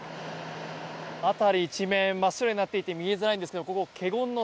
辺り一面、真っ白になっていて見えづらいんですけど華厳ノ